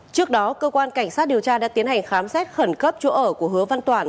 trước đó cơ quan cảnh sát điều tra đã tiến hành khám xét khẩn cấp chỗ ở của hứa văn toản